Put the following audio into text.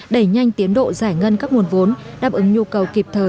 đẩy nhanh tiến độ giải ngân các nguồn vốn đáp ứng nhu cầu kịp thời